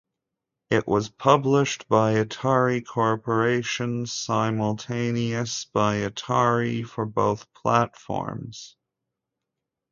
It was published by Atari Corporation simultaneous by Atari for both platforms.